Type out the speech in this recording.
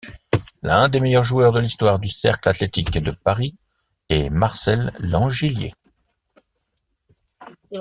L'un des meilleurs joueurs de l'histoire du Cercle Athlétique de Paris est Marcel Langiller.